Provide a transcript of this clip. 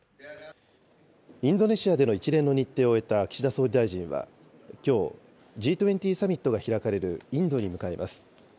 インドネシアでの一連の日程を終えた岸田総理大臣は、きょう、Ｇ２０サミットが開かれるインドに向かいます。